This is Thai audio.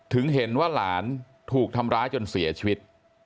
ถึงเห็นว่าหลานถูกทำร้ายจนเสียชีวิต